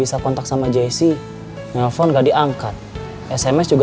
aku anter ya